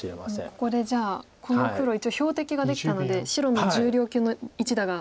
もうここでじゃあ今後黒一応標的ができたので白の重量級の一打が。